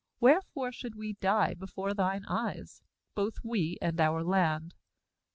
"Wherefore should we die before thine eyes, both we and our land?